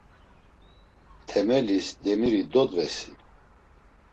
Temelis demiri dodvesi?